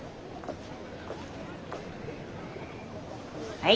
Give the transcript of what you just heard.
はい。